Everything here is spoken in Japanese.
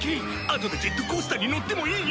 あとでジェットコースターに乗ってもいい？